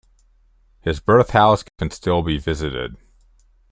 His birth house can still be visited.